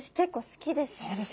そうです。